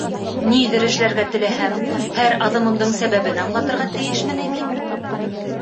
— Ниҙер эшләргә теләһәм, һәр аҙымымдың сәбәбен аңлатырға тейешме ни мин?